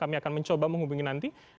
kami akan mencoba menghubungi nanti